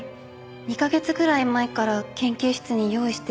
２カ月くらい前から研究室に用意してあって。